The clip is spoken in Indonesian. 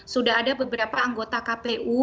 sudah ada beberapa anggota kpu